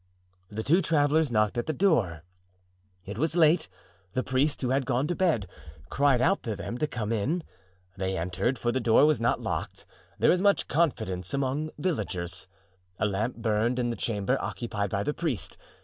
"The two travelers knocked at the door. It was late; the priest, who had gone to bed, cried out to them to come in. They entered, for the door was not locked—there is much confidence among villagers. A lamp burned in the chamber occupied by the priest.